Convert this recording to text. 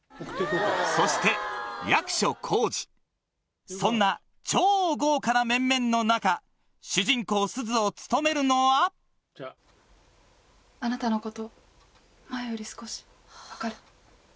そしてそんな超豪華な面々の中主人公すずを務めるのはあなたのこと前より少し分かる。